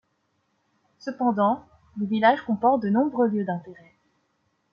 Cependant, le village comporte de nombreux lieux d'intérêt.